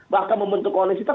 bahkan membentuk koneksitas